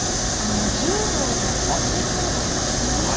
柔道の阿部兄妹。